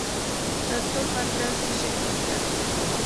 د توپ پر ډز یې شهید کړ.